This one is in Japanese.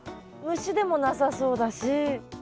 虫でもなさそうだし。